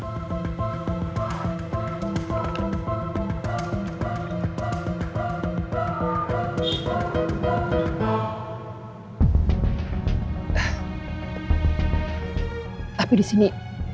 tapi di sini